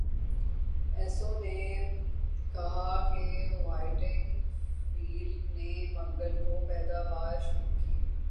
ایسو نے کہا کہ وائٹنگ فیلڈ نے منگل کو پیداوار شروع کی